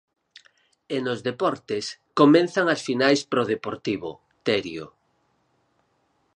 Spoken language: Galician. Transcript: E nos deportes, comezan as finais para o Deportivo, Terio.